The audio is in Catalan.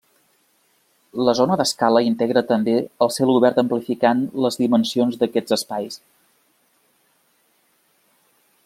La zona d'escala integra també el cel obert amplificant les dimensions d'aquests espais.